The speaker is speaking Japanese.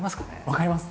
分かります。